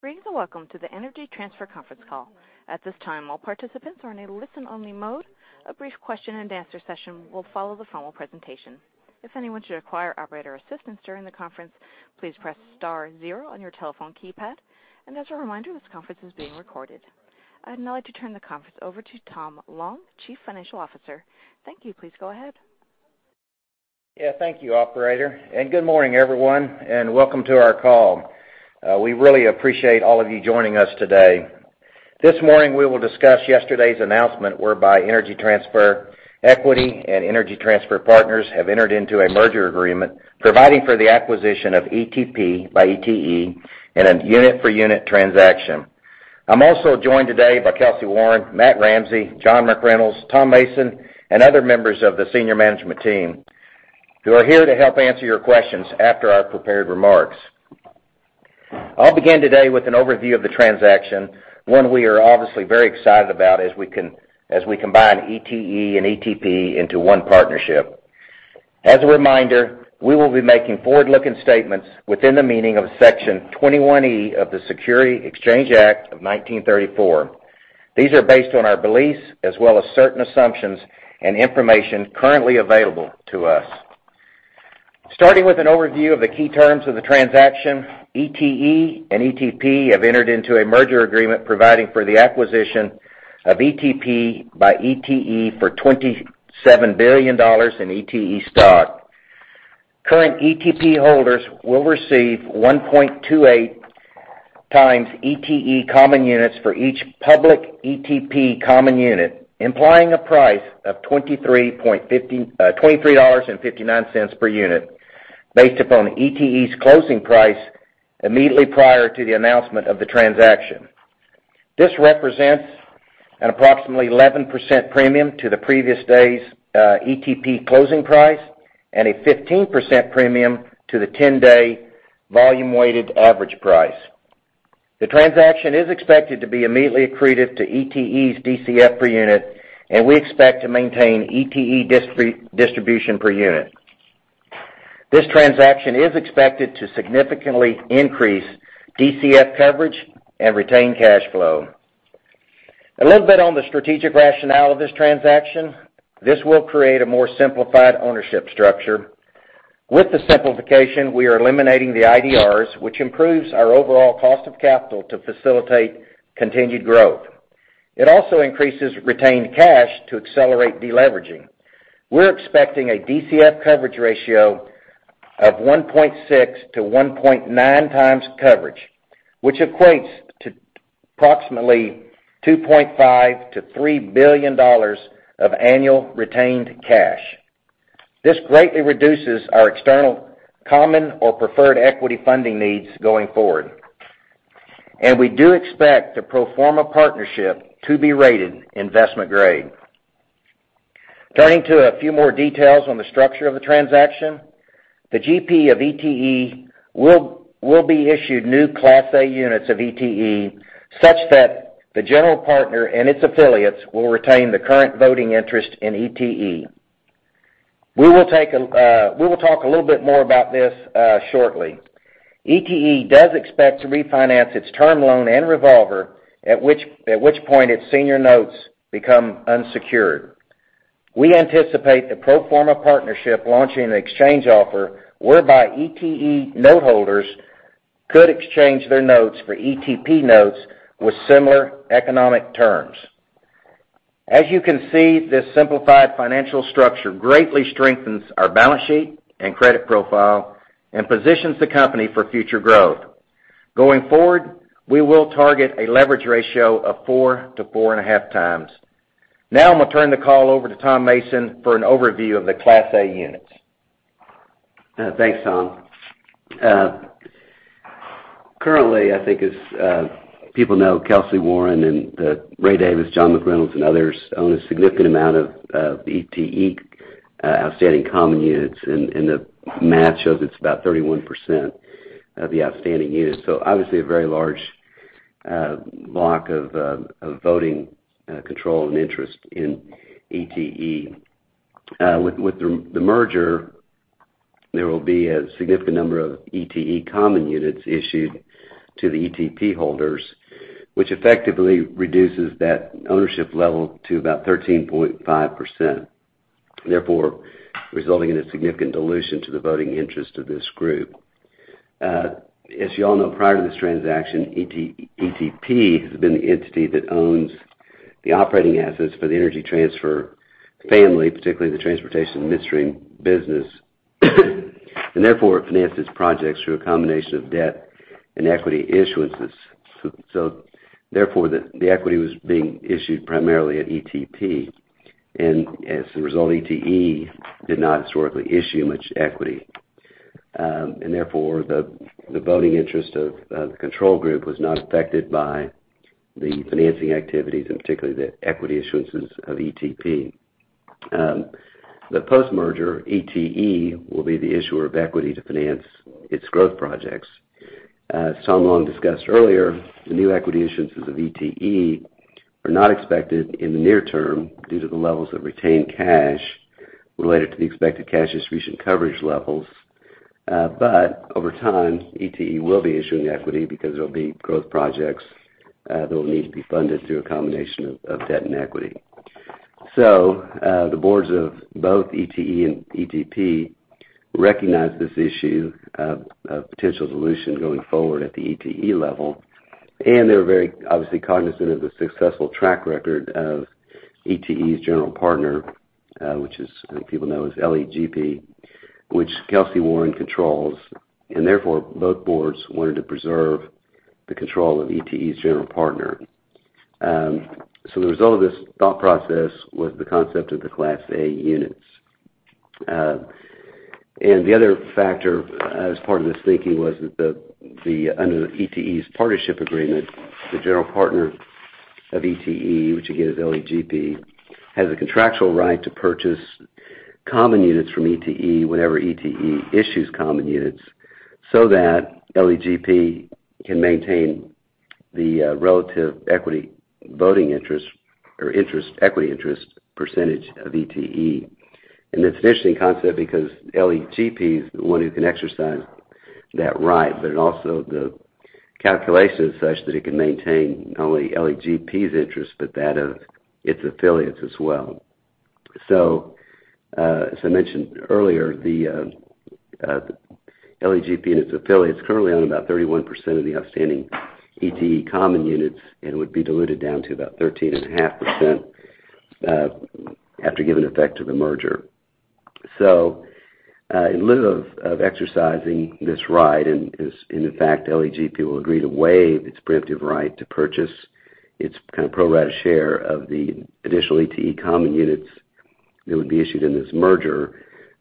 Greetings, welcome to the Energy Transfer conference call. At this time, all participants are in a listen-only mode. A brief question and answer session will follow the formal presentation. If anyone should require operator assistance during the conference, please press star zero on your telephone keypad. As a reminder, this conference is being recorded. I'd now like to turn the conference over to Tom Long, Chief Financial Officer. Thank you. Please go ahead. Yeah. Thank you, operator, and good morning, everyone, and welcome to our call. We really appreciate all of you joining us today. This morning, we will discuss yesterday's announcement whereby Energy Transfer Equity and Energy Transfer Partners have entered into a merger agreement providing for the acquisition of ETP by ETE in a unit-for-unit transaction. I'm also joined today by Kelcy Warren, Matt Ramsey, John McReynolds, Tom Mason, and other members of the senior management team who are here to help answer your questions after our prepared remarks. I'll begin today with an overview of the transaction, one we are obviously very excited about as we combine ETE and ETP into one partnership. As a reminder, we will be making forward-looking statements within the meaning of Section 21E of the Securities Exchange Act of 1934. These are based on our beliefs as well as certain assumptions and information currently available to us. Starting with an overview of the key terms of the transaction, ETE and ETP have entered into a merger agreement providing for the acquisition of ETP by ETE for $27 billion in ETE stock. Current ETP holders will receive 1.28 times ETE common units for each public ETP common unit, implying a price of $23.59 per unit, based upon ETE's closing price immediately prior to the announcement of the transaction. This represents an approximately 11% premium to the previous day's ETP closing price and a 15% premium to the 10-day volume weighted average price. The transaction is expected to be immediately accretive to ETE's DCF per unit, and we expect to maintain ETE distribution per unit. This transaction is expected to significantly increase DCF coverage and retain cash flow. A little bit on the strategic rationale of this transaction. This will create a more simplified ownership structure. With the simplification, we are eliminating the IDRs, which improves our overall cost of capital to facilitate continued growth. It also increases retained cash to accelerate deleveraging. We're expecting a DCF coverage ratio of 1.6 to 1.9 times coverage, which equates to approximately $2.5 billion-$3 billion of annual retained cash. This greatly reduces our external common or preferred equity funding needs going forward. We do expect the pro forma partnership to be rated investment grade. Turning to a few more details on the structure of the transaction. The GP of ETE will be issued new Class A units of ETE such that the general partner and its affiliates will retain the current voting interest in ETE. We will talk a little bit more about this shortly. ETE does expect to refinance its term loan and revolver, at which point its senior notes become unsecured. We anticipate the pro forma partnership launching an exchange offer whereby ETE note holders could exchange their notes for ETP notes with similar economic terms. As you can see, this simplified financial structure greatly strengthens our balance sheet and credit profile and positions the company for future growth. Going forward, we will target a leverage ratio of 4 to 4.5 times. Now, I'm going to turn the call over to Tom Mason for an overview of the Class A units. Thanks, Tom. Currently, I think as people know, Kelcy Warren and Ray Davis, John McReynolds, and others own a significant amount of ETE outstanding common units, and the math shows it's about 31% of the outstanding units. Obviously, a very large block of voting control and interest in ETE. With the merger, there will be a significant number of ETE common units issued to the ETP holders, which effectively reduces that ownership level to about 13.5%, therefore resulting in a significant dilution to the voting interest of this group. As you all know, prior to this transaction, ETP has been the entity that owns the operating assets for the Energy Transfer family, particularly the transportation midstream business, and therefore financed its projects through a combination of debt and equity issuances. Therefore, the equity was being issued primarily at ETP, and as a result, ETE did not historically issue much equity. Therefore, the voting interest of the control group was not affected by the financing activities and particularly the equity issuances of ETP. The post-merger ETE will be the issuer of equity to finance its growth projects. As Tom Long discussed earlier, the new equity issuances of ETE are not expected in the near term due to the levels of retained cash related to the expected cash distribution coverage levels. Over time, ETE will be issuing equity because there'll be growth projects that will need to be funded through a combination of debt and equity. The boards of both ETE and ETP recognized this issue of potential solution going forward at the ETE level, and they're very obviously cognizant of the successful track record of ETE's general partner, which many people know as LE GP, which Kelcy Warren controls. Therefore, both boards wanted to preserve the control of ETE's general partner. The result of this thought process was the concept of the Class A units. The other factor as part of this thinking was that under the ETE's partnership agreement, the general partner of ETE, which again is LE GP, has a contractual right to purchase common units from ETE whenever ETE issues common units, so that LE GP can maintain the relative equity voting interest or equity interest percentage of ETE. It's an interesting concept because LE GP is the one who can exercise that right, but also the calculation is such that it can maintain not only LE GP's interest, but that of its affiliates as well. As I mentioned earlier, the LE GP and its affiliates currently own about 31% of the outstanding ETE common units and would be diluted down to about 13.5% after giving effect to the merger. In lieu of exercising this right, and in fact, LE GP will agree to waive its preemptive right to purchase its kind of pro rata share of the additional ETE common units that would be issued in this merger,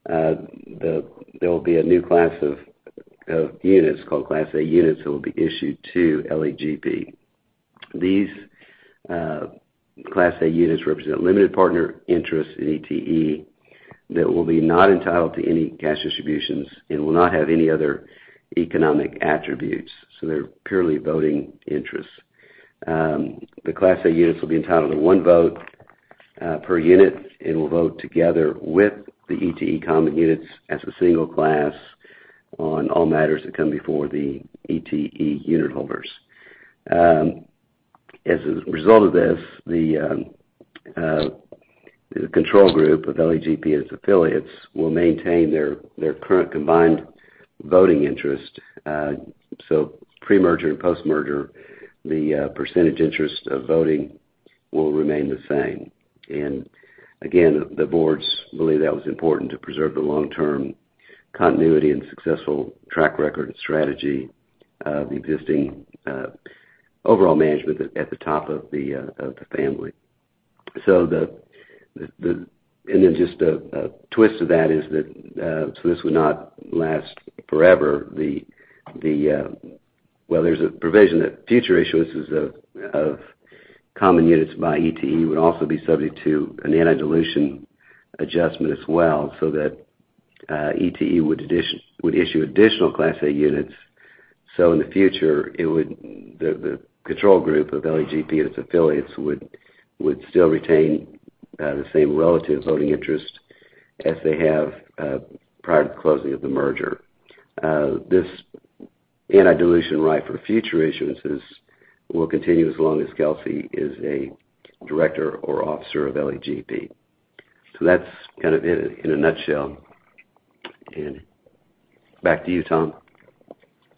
there will be a new class of units called Class A units that will be issued to LE GP. These Class A units represent limited partner interest in ETE that will be not entitled to any cash distributions and will not have any other economic attributes. They're purely voting interests. The Class A units will be entitled to one vote per unit and will vote together with the ETE common units as a single class on all matters that come before the ETE unit holders. As a result of this, the control group of LE GP and its affiliates will maintain their current combined voting interest. Pre-merger and post-merger, the percentage interest of voting will remain the same. Again, the boards believe that was important to preserve the long-term continuity and successful track record and strategy of existing overall management at the top of the family. Just a twist to that is that this would not last forever. There's a provision that future issuances of common units by ETE would also be subject to an anti-dilution adjustment as well, that ETE would issue additional Class A units, in the future, the control group of LE GP and its affiliates would still retain the same relative voting interest as they have prior to the closing of the merger. This anti-dilution right for future issuances will continue as long as Kelcy is a director or officer of LE GP. That's kind of it in a nutshell. Back to you, Tom.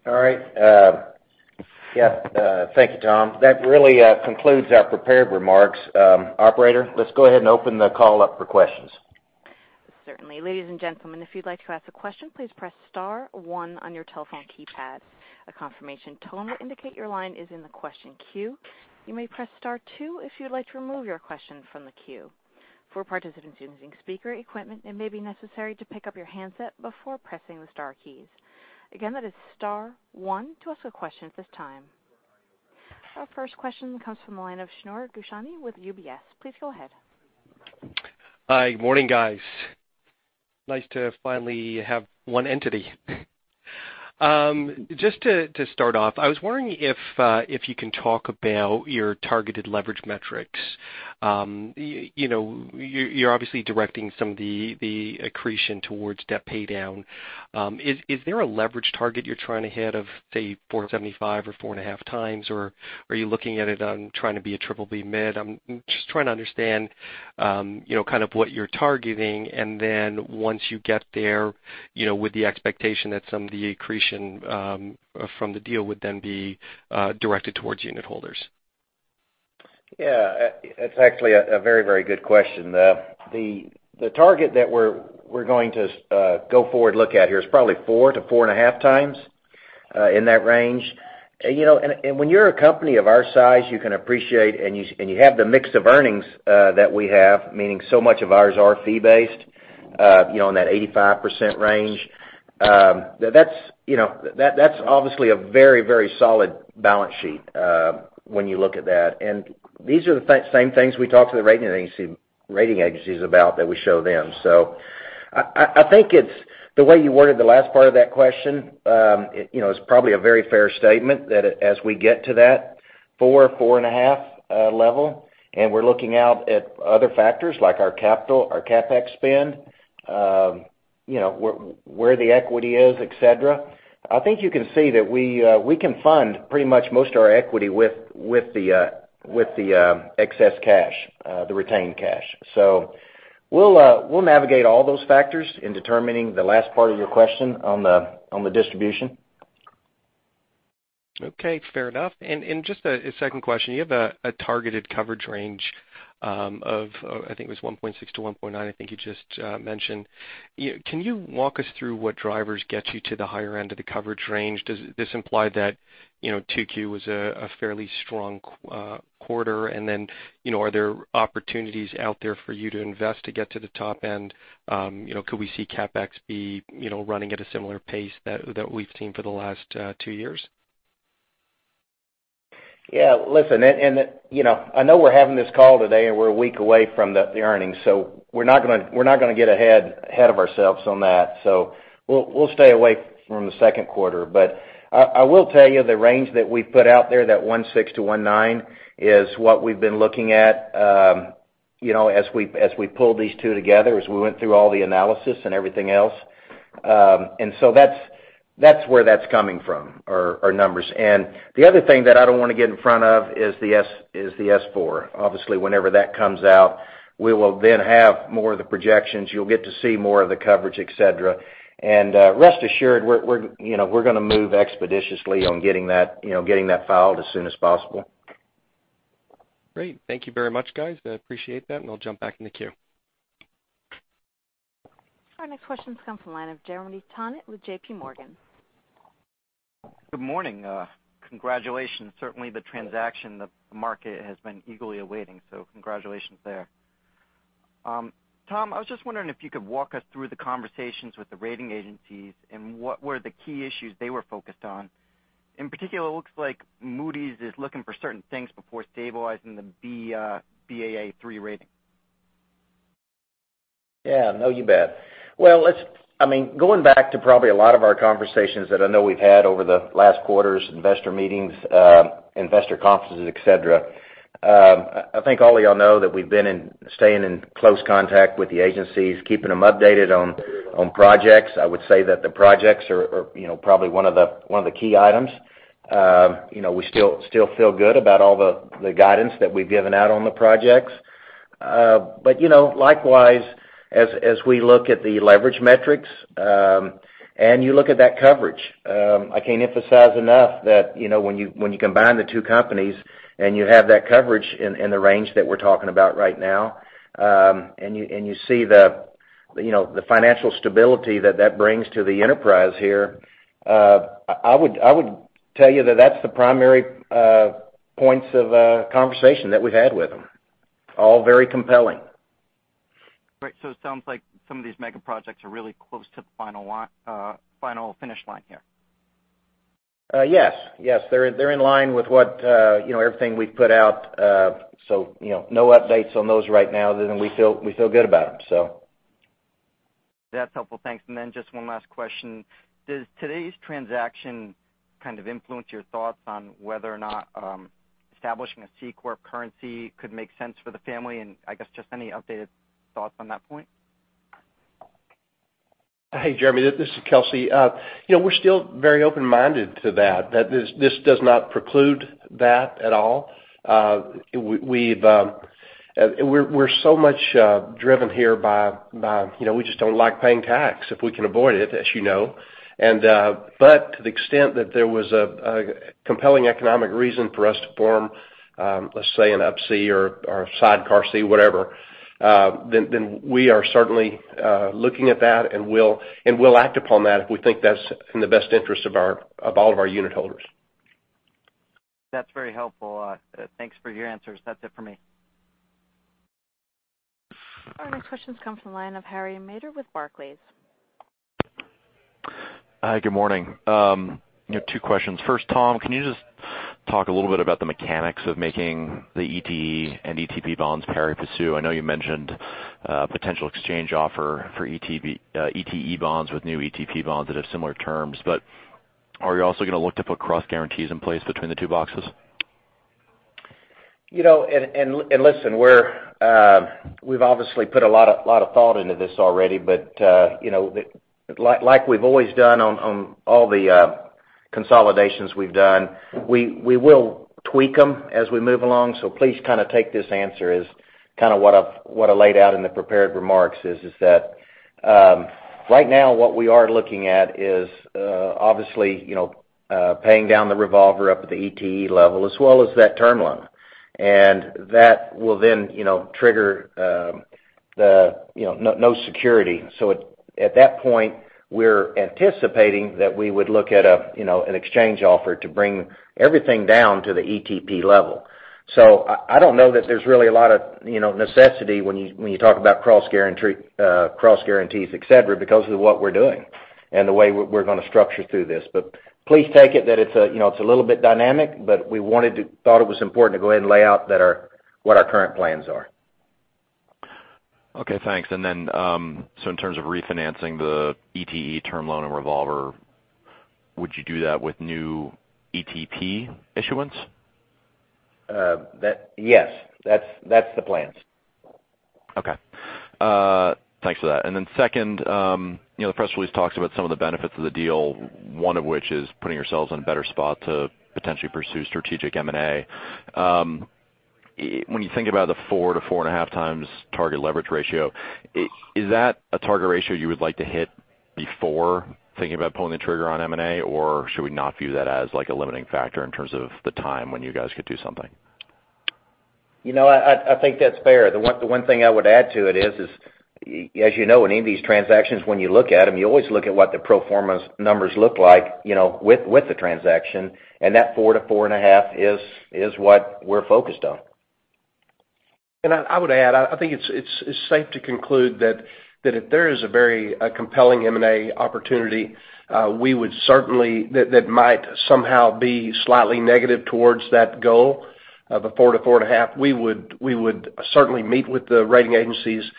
All right. Yes, thank you, Tom. That really concludes our prepared remarks. Operator, let's go ahead and open the call up for questions. Certainly. Ladies and gentlemen, if you'd like to ask a question, please press star one on your telephone keypad. A confirmation tone will indicate your line is in the question queue. You may press star two if you'd like to remove your question from the queue. For participants using speaker equipment, it may be necessary to pick up your handset before pressing the star keys. Again, that is star one to ask a question at this time. Our first question comes from the line of Shneur Gershuni with UBS. Please go ahead. Hi. Morning, guys. Nice to finally have one entity. Just to start off, I was wondering if you can talk about your targeted leverage metrics. You're obviously directing some of the accretion towards debt paydown. Is there a leverage target you're trying to hit of, say, 475 or four and a half times? Are you looking at it on trying to be a BBB mid? I'm just trying to understand kind of what you're targeting, and then once you get there, with the expectation that some of the accretion from the deal would then be directed towards unit holders. Yeah. It's actually a very good question. The target that we're going to go forward look at here is probably four to four and a half times, in that range. When you're a company of our size, you can appreciate, and you have the mix of earnings that we have, meaning so much of ours are fee based, in that 85% range. That's obviously a very solid balance sheet when you look at that. These are the same things we talk to the rating agencies about that we show them. I think it's the way you worded the last part of that question. It's probably a very fair statement that as we get to that 4.5 level. We're looking out at other factors like our capital, our CapEx spend, where the equity is, et cetera. I think you can see that we can fund pretty much most of our equity with the excess cash, the retained cash. We'll navigate all those factors in determining the last part of your question on the distribution. Okay, fair enough. Just a second question. You have a targeted coverage range of, I think it was 1.6-1.9, I think you just mentioned. Can you walk us through what drivers get you to the higher end of the coverage range? Does this imply that 2Q was a fairly strong quarter, and then are there opportunities out there for you to invest to get to the top end? Could we see CapEx be running at a similar pace that we've seen for the last two years? Yeah. Listen. I know we're having this call today, we're a week away from the earnings, so we're not going to get ahead of ourselves on that. We'll stay away from the second quarter. I will tell you the range that we've put out there, that 1.6-1.9 is what we've been looking at as we pulled these two together, as we went through all the analysis and everything else. That's where that's coming from, our numbers. The other thing that I don't want to get in front of is the S-4. Obviously, whenever that comes out, we will then have more of the projections. You'll get to see more of the coverage, et cetera. Rest assured, we're going to move expeditiously on getting that filed as soon as possible. Great. Thank you very much, guys. I appreciate that, I'll jump back in the queue. Our next question comes from the line of Jeremy Tonet with JPMorgan. Good morning. Congratulations. Certainly the transaction the market has been eagerly awaiting. Congratulations there. Tom, I was just wondering if you could walk us through the conversations with the rating agencies and what were the key issues they were focused on. In particular, it looks like Moody's is looking for certain things before stabilizing the Baa3 rating. Yeah. No, you bet. Going back to probably a lot of our conversations that I know we've had over the last quarters, investor meetings, investor conferences, et cetera. I think all of you all know that we've been staying in close contact with the agencies, keeping them updated on projects. I would say that the projects are probably one of the key items. We still feel good about all the guidance that we've given out on the projects. Likewise, as we look at the leverage metrics, and you look at that coverage, I can't emphasize enough that when you combine the two companies and you have that coverage in the range that we're talking about right now, and you see the financial stability that that brings to the enterprise here, I would tell you that that's the primary points of conversation that we've had with them. All very compelling. Great. It sounds like some of these mega projects are really close to the final finish line here. Yes. They're in line with everything we've put out. No updates on those right now. We feel good about them. That's helpful. Thanks. Then just one last question. Does today's transaction kind of influence your thoughts on whether or not establishing a C corp currency could make sense for the family? I guess just any updated thoughts on that point. Hey, Jeremy, this is Kelcy. We're still very open-minded to that. This does not preclude that at all. We're so much driven here by we just don't like paying tax if we can avoid it, as you know. To the extent that there was a compelling economic reason for us to form, let's say an Up-C or Sidecar C, whatever, then we are certainly looking at that, and we'll act upon that if we think that's in the best interest of all of our unit holders. That's very helpful. Thanks for your answers. That's it for me. Our next questions come from the line of Harry Mader with Barclays. Hi, good morning. Two questions. First, Tom, can you just talk a little bit about the mechanics of making the ETE and ETP bonds pari passu? I know you mentioned a potential exchange offer for ETE bonds with new ETP bonds that have similar terms, are you also going to look to put cross guarantees in place between the two boxes? Listen, we've obviously put a lot of thought into this already. Like we've always done on all the consolidations we've done, we will tweak them as we move along. Please kind of take this answer as kind of what I laid out in the prepared remarks is that right now what we are looking at is obviously paying down the revolver up at the ETE level as well as that term loan. That will then trigger no security. At that point, we're anticipating that we would look at an exchange offer to bring everything down to the ETP level. I don't know that there's really a lot of necessity when you talk about cross guarantees, et cetera, because of what we're doing and the way we're going to structure through this. Please take it that it's a little bit dynamic, but we thought it was important to go ahead and lay out what our current plans are. Okay, thanks. In terms of refinancing the ETE term loan and revolver, would you do that with new ETP issuance? Yes. That's the plan. Okay. Thanks for that. Second, the press release talks about some of the benefits of the deal, one of which is putting yourselves in a better spot to potentially pursue strategic M&A. When you think about the four to four and a half times target leverage ratio, is that a target ratio you would like to hit before thinking about pulling the trigger on M&A? Or should we not view that as a limiting factor in terms of the time when you guys could do something? I think that's fair. The one thing I would add to it is, as you know, in any of these transactions, when you look at them, you always look at what the pro formas numbers look like with the transaction, and that four to four and a half is what we're focused on. I would add, I think it's safe to conclude that if there is a very compelling M&A opportunity that might somehow be slightly negative towards that goal of a four to four and a half. We would certainly meet with the rating agencies,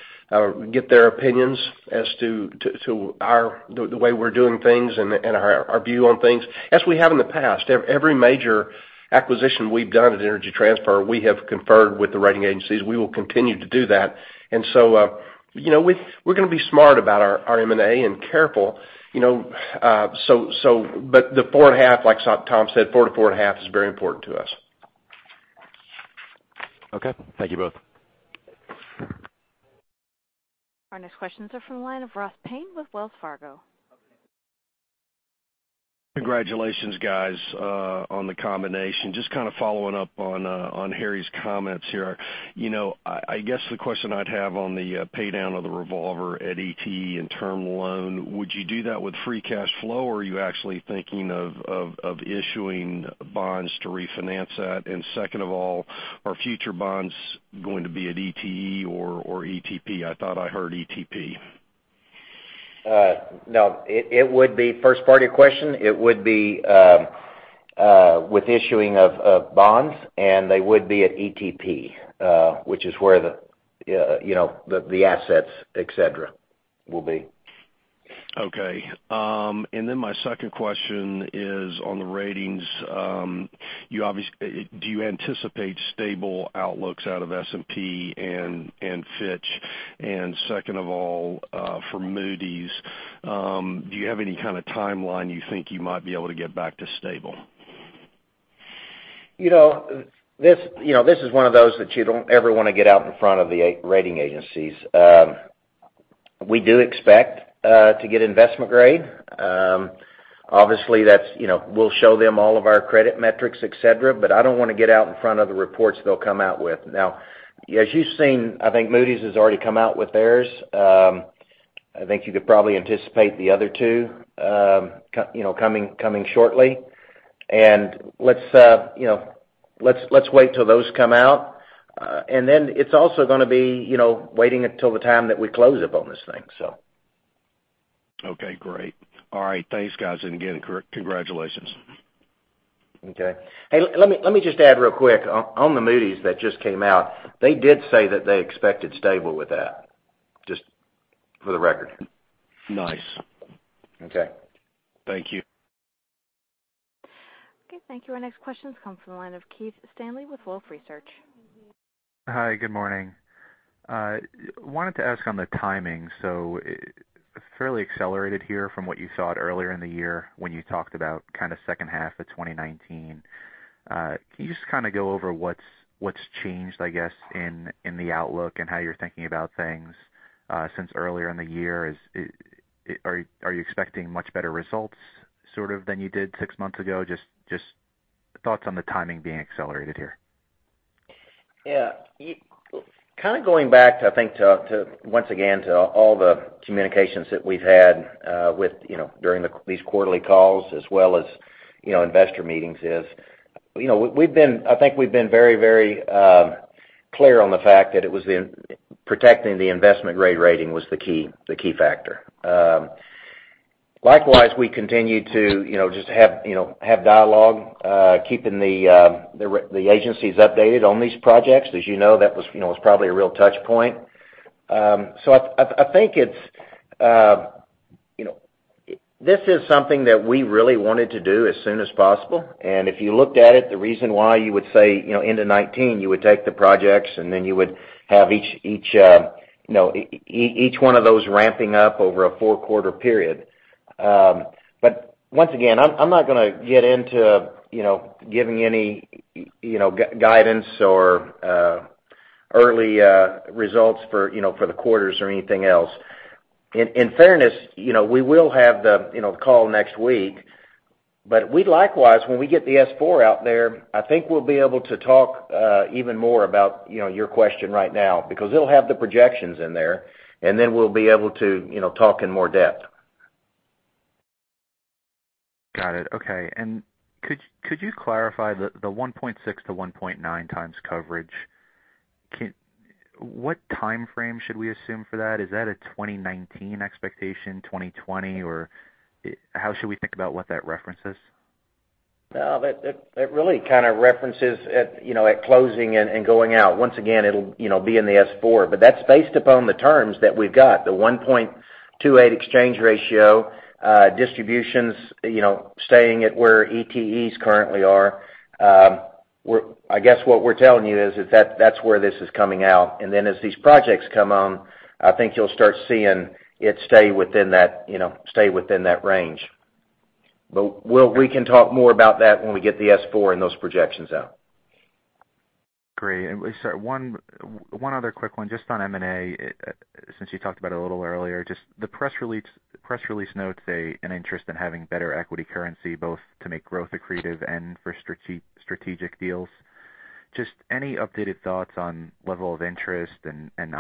get their opinions as to the way we're doing things and our view on things. As we have in the past, every major acquisition we've done at Energy Transfer, we have conferred with the rating agencies. We will continue to do that. So, we're going to be smart about our M&A and careful. The four and a half, like Tom said, four to four and a half is very important to us. Okay. Thank you both. Our next questions are from the line of Ross Payne with Wells Fargo. Congratulations, guys, on the combination. Just kind of following up on Harry's comments here. I guess the question I'd have on the pay down of the revolver at ETE and term loan, would you do that with free cash flow, or are you actually thinking of issuing bonds to refinance that? Second of all, are future bonds going to be at ETE or ETP? I thought I heard ETP. No, first part of your question, it would be with issuing of bonds, and they would be at ETP, which is where the assets, et cetera, will be. My second question is on the ratings. Do you anticipate stable outlooks out of S&P and Fitch? Second of all, for Moody's, do you have any kind of timeline you think you might be able to get back to stable? This is one of those that you don't ever want to get out in front of the rating agencies. We do expect to get investment grade. Obviously, we'll show them all of our credit metrics, et cetera. I don't want to get out in front of the reports they'll come out with. As you've seen, I think Moody's has already come out with theirs. I think you could probably anticipate the other two coming shortly. Let's wait till those come out. It's also going to be waiting until the time that we close up on this thing. Okay, great. All right. Thanks, guys. Again, congratulations. Okay. Hey, let me just add real quick. On the Moody's that just came out, they did say that they expected stable with that, just for the record. Nice. Okay. Thank you. Okay, thank you. Our next question comes from the line of Keith Stanley with Wolfe Research. Hi, good morning. Wanted to ask on the timing. Fairly accelerated here from what you thought earlier in the year when you talked about kind of second half of 2019. Can you just kind of go over what's changed, I guess, in the outlook and how you're thinking about things since earlier in the year? Are you expecting much better results sort of than you did six months ago? Just thoughts on the timing being accelerated here. Yeah. Kind of going back, I think, once again, to all the communications that we've had during these quarterly calls as well as investor meetings is, I think we've been very clear on the fact that it was protecting the investment grade rating was the key factor. Likewise, we continued to just have dialogue, keeping the agencies updated on these projects. As you know, that was probably a real touch point. I think this is something that we really wanted to do as soon as possible. If you looked at it, the reason why you would say into 2019, you would take the projects, and then you would have each one of those ramping up over a four-quarter period. Once again, I'm not going to get into giving any guidance or early results for the quarters or anything else. In fairness, we will have the call next week, but we likewise, when we get the S-4 out there, I think we'll be able to talk even more about your question right now because it'll have the projections in there, and then we'll be able to talk in more depth. Got it. Okay. Could you clarify the 1.6 to 1.9 times coverage? What timeframe should we assume for that? Is that a 2019 expectation, 2020? How should we think about what that reference is? No, that really kind of references at closing and going out. Once again, it'll be in the S-4, but that's based upon the terms that we've got, the 1.28 exchange ratio, distributions staying at where ETEs currently are. I guess what we're telling you is that that's where this is coming out, and then as these projects come on, I think you'll start seeing it stay within that range. We can talk more about that when we get the S-4 and those projections out. Great. Sorry, one other quick one just on M&A, since you talked about it a little earlier. The press release notes an interest in having better equity currency, both to make growth accretive and for strategic deals. Any updated thoughts on level of interest and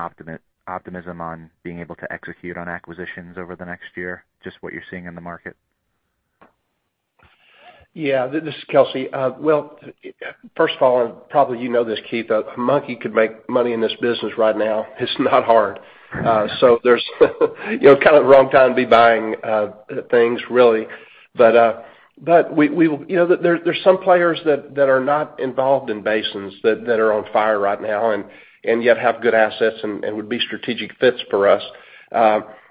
optimism on being able to execute on acquisitions over the next year? Just what you're seeing in the market. Yeah. This is Kelcy. Well, first of all, probably you know this, Keith, a monkey could make money in this business right now. It's not hard. There's kind of the wrong time to be buying things, really. There's some players that are not involved in basins that are on fire right now and yet have good assets and would be strategic fits for us.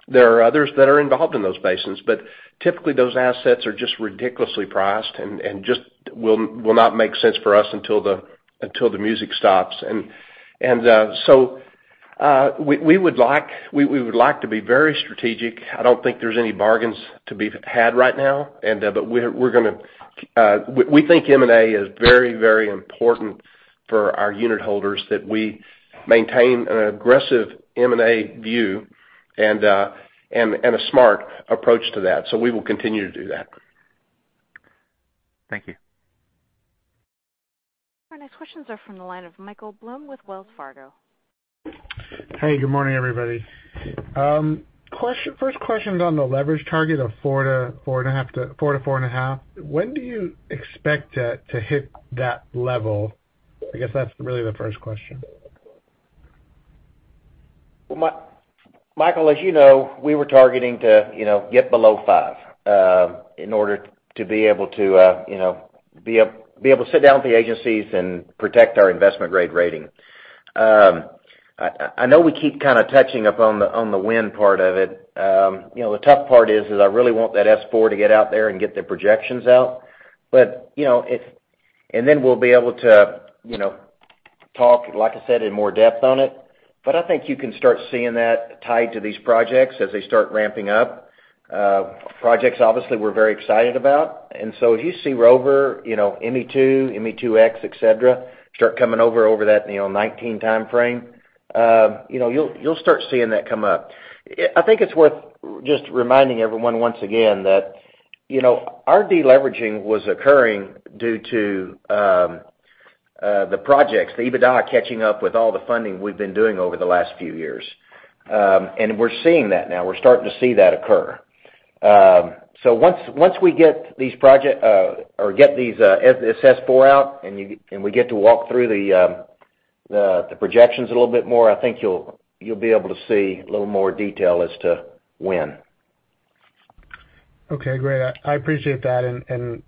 There are others that are involved in those basins, but typically those assets are just ridiculously priced and just will not make sense for us until the music stops. We would like to be very strategic. I don't think there's any bargains to be had right now, but we think M&A is very important for our unit holders, that we maintain an aggressive M&A view and a smart approach to that. We will continue to do that. Thank you. Our next questions are from the line of Michael Blum with Wells Fargo. Hey, good morning, everybody. First question is on the leverage target of four to four and a half. When do you expect to hit that level? I guess that's really the first question. Michael, as you know, we were targeting to get below five in order to be able to sit down with the agencies and protect our investment-grade rating. I know we keep kind of touching upon the when part of it. The tough part is I really want that S4 to get out there and get the projections out. Then we'll be able to talk, like I said, in more depth on it. I think you can start seeing that tied to these projects as they start ramping up. Projects obviously we're very excited about. So as you see Rover, ME2, ME2X, et cetera, start coming over that 2019 timeframe, you'll start seeing that come up. I think it's worth just reminding everyone once again that our de-leveraging was occurring due to the projects, the EBITDA catching up with all the funding we've been doing over the last few years. We're seeing that now. We're starting to see that occur. Once we get this S4 out and we get to walk through the projections a little bit more, I think you'll be able to see a little more detail as to when. Okay, great. I appreciate that, and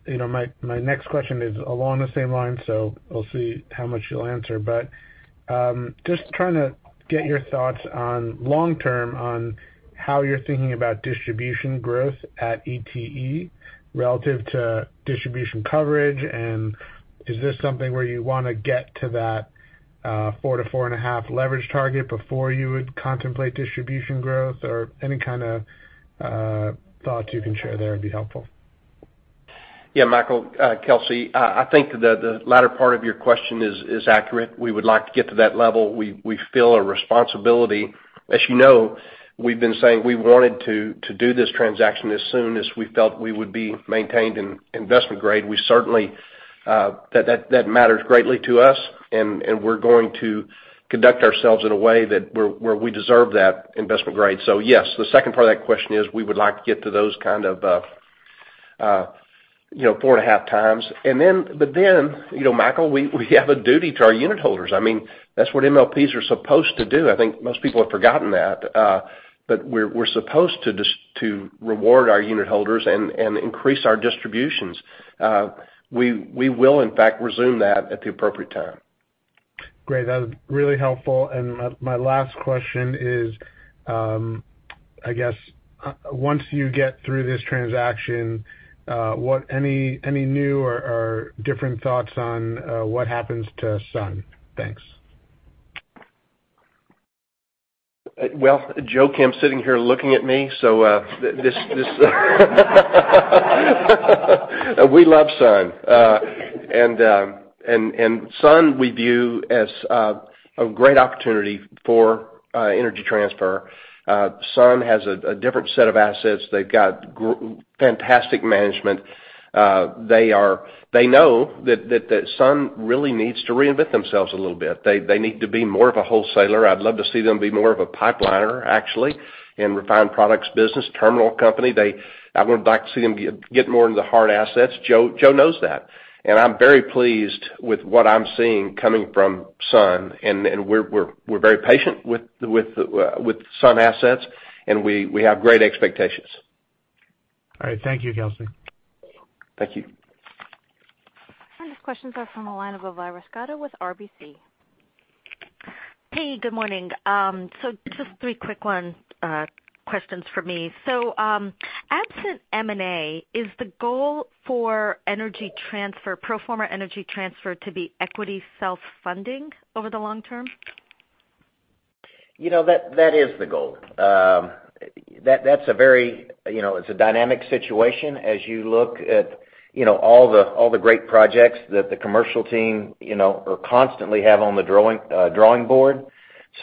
my next question is along the same lines, so we'll see how much you'll answer, but just trying to get your thoughts on long term on how you're thinking about distribution growth at ETE relative to distribution coverage, and is this something where you want to get to that four to four and a half leverage target before you would contemplate distribution growth? Any kind of thoughts you can share there would be helpful. Michael, Kelcy. I think the latter part of your question is accurate. We would like to get to that level. We feel a responsibility. As you know, we've been saying we wanted to do this transaction as soon as we felt we would be maintained in investment grade. That matters greatly to us, and we're going to conduct ourselves in a way that we deserve that investment grade. Yes, the second part of that question is we would like to get to those kind of 4.5 times. Michael, we have a duty to our unit holders. That's what MLPs are supposed to do. I think most people have forgotten that. We're supposed to reward our unit holders and increase our distributions. We will, in fact, resume that at the appropriate time. Great. That was really helpful. My last question is, I guess once you get through this transaction, any new or different thoughts on what happens to Sunoco? Thanks. Well, Joe Kim sitting here looking at me. We love Sunoco. Sunoco we view as a great opportunity for Energy Transfer. Sunoco has a different set of assets. They've got fantastic management. They know that Sunoco really needs to reinvent themselves a little bit. They need to be more of a wholesaler. I'd love to see them be more of a pipeliner, actually, in refined products business, terminal company. I would like to see them get more into hard assets. Joe knows that. I'm very pleased with what I'm seeing coming from Sunoco, and we're very patient with Sunoco assets, and we have great expectations. All right. Thank you, Kelcy. Thank you. Our next questions are from the line of Elvira Scotto with RBC. Hey, good morning. Just three quick ones, questions from me. Absent M&A, is the goal for pro forma Energy Transfer to be equity self-funding over the long term? That is the goal. It's a dynamic situation as you look at all the great projects that the commercial team constantly have on the drawing board.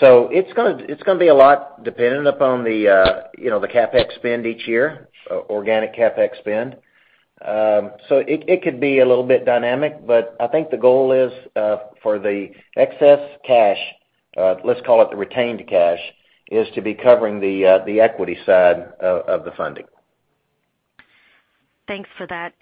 It's going to be a lot dependent upon the CapEx spend each year, organic CapEx spend. It could be a little bit dynamic, but I think the goal is for the excess cash, let's call it the retained cash, is to be covering the equity side of the funding. Thanks for that.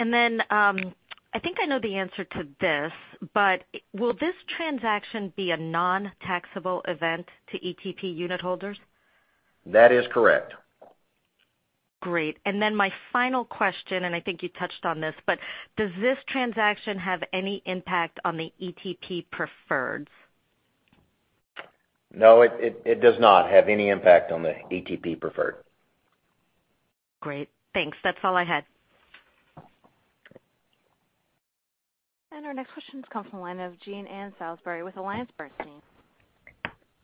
I think I know the answer to this, but will this transaction be a non-taxable event to ETP unit holders? That is correct. Great. My final question, and I think you touched on this, but does this transaction have any impact on the ETP preferreds? No, it does not have any impact on the ETP preferred. Great. Thanks. That's all I had. Our next question comes from the line of Jean Ann Salisbury with AllianceBernstein.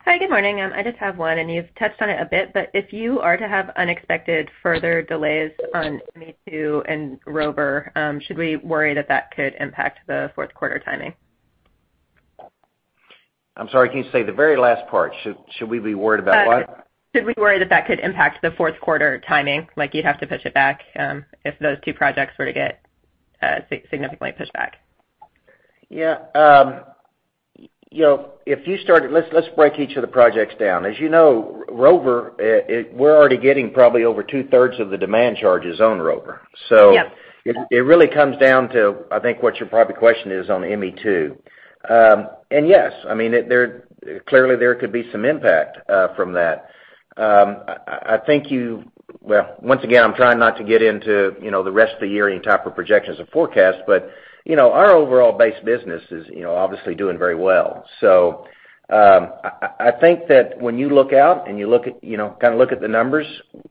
Hi, good morning. I just have one, and you've touched on it a bit, but if you are to have unexpected further delays on ME2 and Rover, should we worry that that could impact the fourth quarter timing? I'm sorry, can you say the very last part? Should we be worried about what? Should we worry that that could impact the fourth quarter timing? Like you'd have to push it back if those two projects were to get significantly pushed back. Yeah. Let's break each of the projects down. As you know, Rover, we're already getting probably over two-thirds of the demand charges on Rover. Yeah. It really comes down to, I think, what your proper question is on ME2. Yes, clearly there could be some impact from that. Once again, I'm trying not to get into the rest of the year, any type of projections or forecasts, but our overall base business is obviously doing very well. I think that when you look out and you kind of look at the numbers,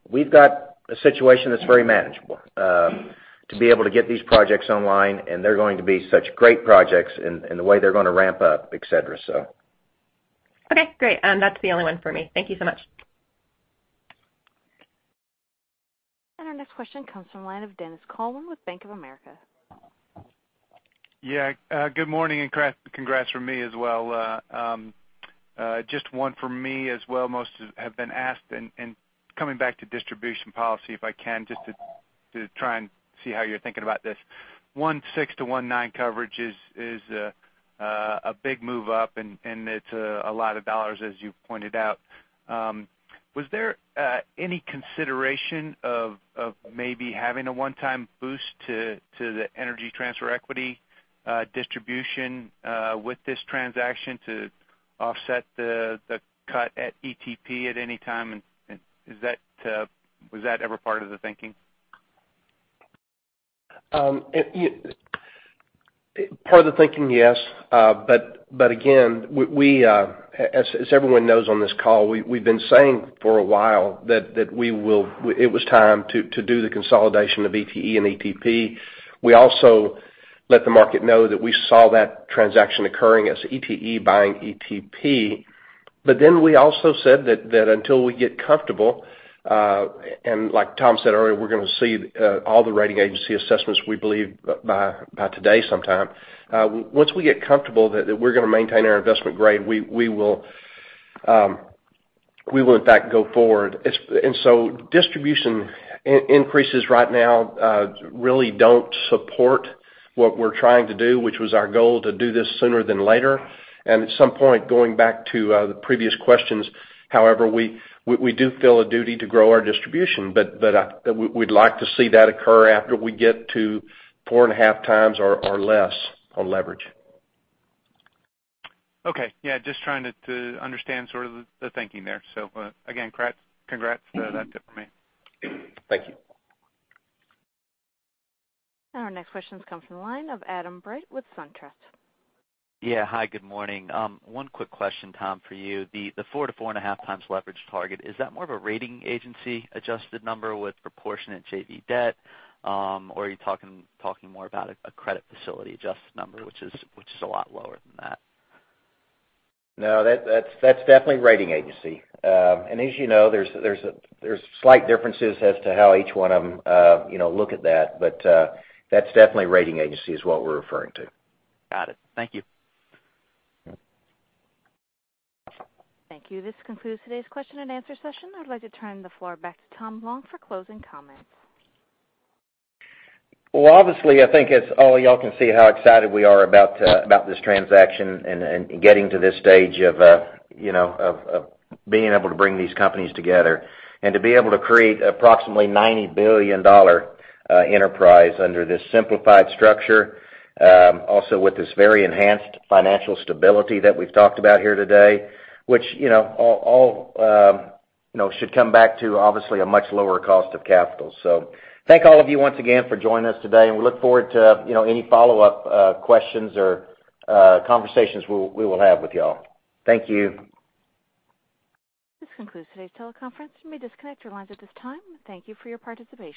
we've got a situation that's very manageable to be able to get these projects online, and they're going to be such great projects in the way they're going to ramp up, et cetera. Okay, great. That's the only one for me. Thank you so much. Our next question comes from the line of Dennis Coleman with Bank of America. Yeah. Good morning, and congrats from me as well. Just one for me as well. Most have been asked, coming back to distribution policy, if I can, just to try and see how you're thinking about this. 1.6 to 1.9 coverage is a big move up, and it's a lot of dollars, as you pointed out. Was there any consideration of maybe having a one-time boost to the Energy Transfer Equity distribution with this transaction to offset the cut at ETP at any time? Was that ever part of the thinking? Part of the thinking, yes. Again, as everyone knows on this call, we've been saying for a while that it was time to do the consolidation of ETE and ETP. We also let the market know that we saw that transaction occurring as ETE buying ETP. We also said that until we get comfortable, and like Tom said earlier, we're going to see all the rating agency assessments, we believe, by today sometime. Once we get comfortable that we're going to maintain our investment grade, we will, in fact, go forward. Distribution increases right now really don't support what we're trying to do, which was our goal to do this sooner than later. At some point, going back to the previous questions, however, we do feel a duty to grow our distribution. We'd like to see that occur after we get to 4.5 times or less on leverage. Okay. Just trying to understand sort of the thinking there. Again, congrats. That's it for me. Thank you. Our next question comes from the line of Adam Breit with Truist Securities. Yeah. Hi, good morning. One quick question, Tom, for you. The 4 to 4.5 times leverage target, is that more of a rating agency adjusted number with proportionate JV debt? Or are you talking more about a credit facility adjusted number, which is a lot lower than that? No, that's definitely rating agency. As you know, there's slight differences as to how each one of them look at that's definitely rating agency is what we're referring to. Got it. Thank you. Yep. Thank you. This concludes today's question and answer session. I'd like to turn the floor back to Tom Long for closing comments. Obviously, I think as all of y'all can see how excited we are about this transaction and getting to this stage of being able to bring these companies together. To be able to create approximately $90 billion enterprise under this simplified structure. Also with this very enhanced financial stability that we've talked about here today, which all should come back to, obviously, a much lower cost of capital. Thank all of you once again for joining us today, and we look forward to any follow-up questions or conversations we will have with y'all. Thank you. This concludes today's teleconference. You may disconnect your lines at this time. Thank you for your participation.